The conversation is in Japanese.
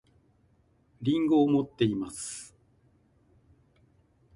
りんごを持っています